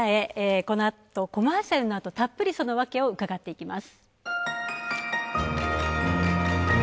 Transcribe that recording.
このあと、コマーシャルのあとたっぷり、その訳を伺っていきます。